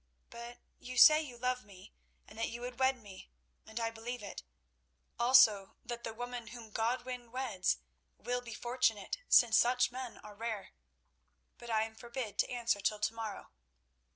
But you say you love me and that you would wed me, and I believe it; also that the woman whom Godwin weds will be fortunate, since such men are rare. But I am forbid to answer till to morrow.